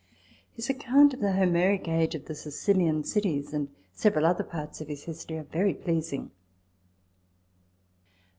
His account of the Homeric age of the Sicilian cities and several other parts of his History, are very pleasing.